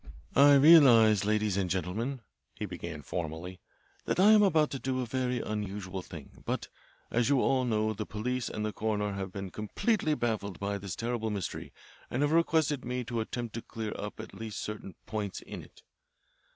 "I realise, ladies and gentlemen," he began formally, "that I am about to do a very unusual thing; but, as you all know, the police and the coroner have been completely baffled by this terrible mystery and have requested me to attempt to clear up at least certain points in it.